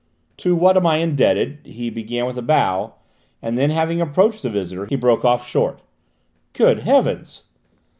"To what am I indebted " he began with a bow; and then, having approached the visitor, he broke off short. "Good heavens